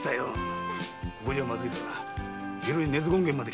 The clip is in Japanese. ここじゃまずいからお昼に根津権現まで来な。